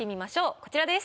こちらです。